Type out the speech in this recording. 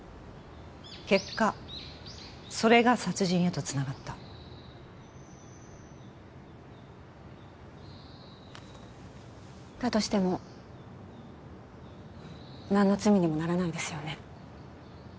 結果それが殺人へとつながっただとしても何の罪にもならないですよね